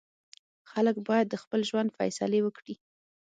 خلک باید د خپل ژوند فیصلې وکړي.